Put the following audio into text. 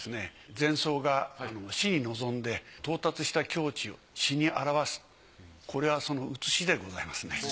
禅僧が死に臨んで到達した境地を詩にあらわすこれはその写しでございますね。